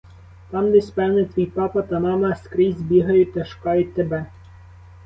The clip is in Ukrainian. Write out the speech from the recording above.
Там десь, певне, твій папа та мама скрізь бігають та шукають тебе.